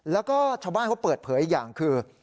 แล้วก็ชาวบ้านเขาเปิดเผยอีกอย่างคือ